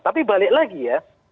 tapi balik lagi ya